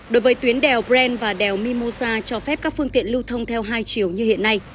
đối với tuyến đèo bren và đèo mimosa cho phép các phương tiện lưu thông theo hai chiều như hiện nay